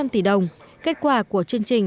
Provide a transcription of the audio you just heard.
một ba trăm linh tỷ đồng kết quả của chương trình